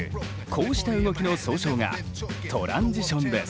こうした動きの総称がトランジションです。